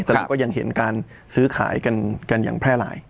แต่เราก็ยังเห็นการซื้อขายกันอย่างแพร่หลาย